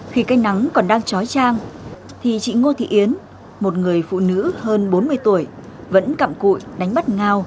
khi cây nắng còn đang trói trang thì chị ngô thị yến một người phụ nữ hơn bốn mươi tuổi vẫn cặm cụi đánh bắt ngao